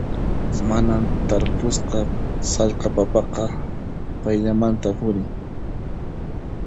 Mana tarpusqa sallqa papaqa payllamanta urin.